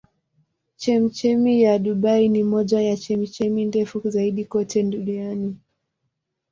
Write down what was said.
Chemchemi ya Dubai ni moja ya chemchemi ndefu zaidi kote duniani.